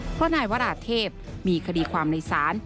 เพราะนายวราเทพมีคดีความในศาล